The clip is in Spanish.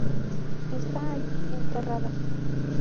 Está allí enterrada.